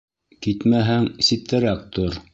Китмәһәң, ситтәрәк тор!